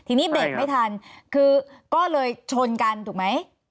ทีนี้เบรกไม่ทันคือก็เลยชนกันถูกไหม